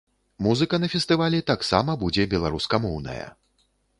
Музыка на фестывалі таксама будзе беларускамоўная.